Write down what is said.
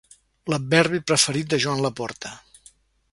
L'adverbi preferit de Joan Laporta.